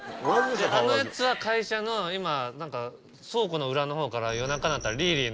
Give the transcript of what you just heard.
あのやつは会社の今倉庫の裏のほうから夜中になったらリンリン。